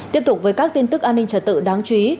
tiếp tục với các tin tức an ninh trật tự đáng chú ý